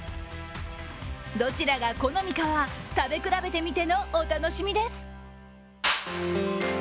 どちらが好みかは食べ比べてみてのお楽しみです。